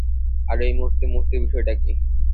আর ঐ মূর্তি, মূর্তির বিষয়টা কী?